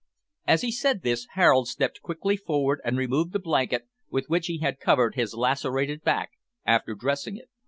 As he said this, Harold stepped quickly forward and removed the blanket, with which he had covered his lacerated back after dressing it.